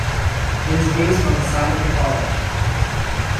It is based on the site of the College.